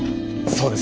そうです。